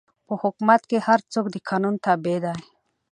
په حکومت کښي هر څوک د قانون تابع دئ.